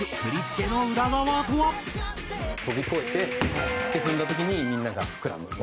跳び越えて踏んだ時にみんなが膨らむ。